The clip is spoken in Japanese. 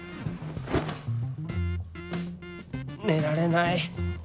寝られない